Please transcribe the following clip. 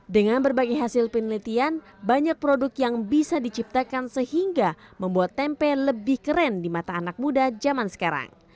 dengan berbagai hasil penelitian banyak produk yang bisa diciptakan sehingga membuat tempe lebih keren di mata anak muda zaman sekarang